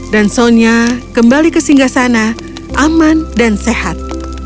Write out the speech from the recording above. dan sonya kembali ke singgah sana aman dan sehat